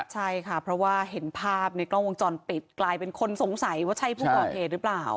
ใช่ค่ะเพราะว่าเห็นภาพในกล้องวงจรปิดกลายเป็นคนสงสัยว่าใช่ผู้ก่อเหตุหรือเปล่า